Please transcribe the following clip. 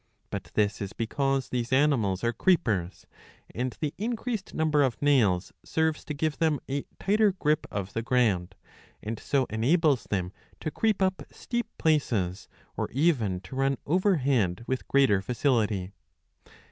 But this is because these animals are creepers ; and the mcreased number of nails serves to give them a tighter grip of the ground, and so enables them to creep up steep places, or even to run overhead, with greater facility